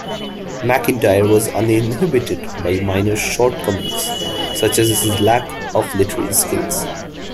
McIntyre was uninhibited by minor shortcomings-such as his lack of literary skills.